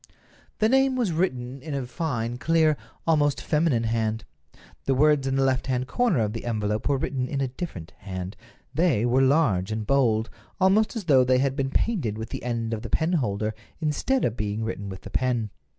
The name was written in a fine, clear, almost feminine hand. The words in the left hand corner of the envelope were written in a different hand. They were large and bold; almost as though they had been painted with the end of the penholder instead of being written with the pen.